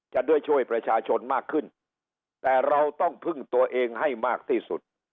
จะด้วยช่วยประชาชนมากขึ้นแต่เราต้องพึ่งตัวเองให้มากที่สุด